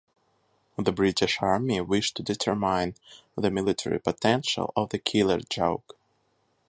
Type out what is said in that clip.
The British Army wish to determine the military potential of the Killer Joke.